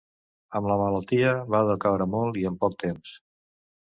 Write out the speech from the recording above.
Amb la malaltia va decaure molt i en poc temps.